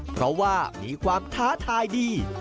เพราะว่ามีความท้าทายดี